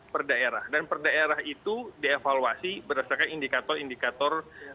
per daerah dan per daerah itu dievaluasi berdasarkan indikator indikator